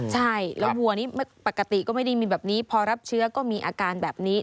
ใช่แล้ววัวนี้ปกติก็ไม่ได้มีแบบนี้พอรับเชื้อก็มีอาการแบบนี้